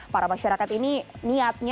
para masyarakat ini niat